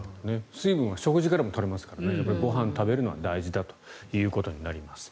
水分は食事からも取れますからご飯を食べるのは大事だということになります。